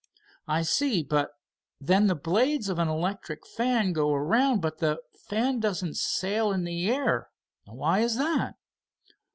"I see, but then the blades of an electric fan go around but the fan doesn't sail in the air. Why is that?"